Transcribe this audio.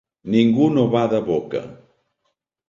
Ningú no bada boca.